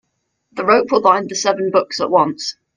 The rope will bind the seven books at once.